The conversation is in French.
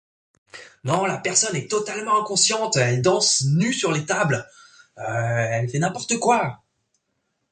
n,importe quoi